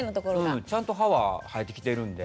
うんちゃんと歯は生えてきてるんで。